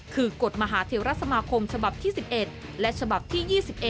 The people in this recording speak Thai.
คือกฎมหาเทวรัฐสมาคมฉบับที่๑๑และฉบับที่๒๑